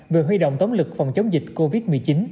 về huy động tống lực phòng chống dịch covid một mươi chín